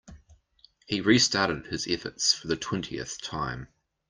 He restarted his efforts for the twentieth time.